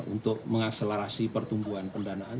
untuk mengakselerasi pertumbuhan pendanaan